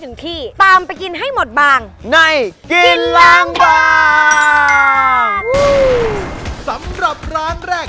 ตามไปกินให้หมดบางในกินล้างบางสำหรับร้านแรก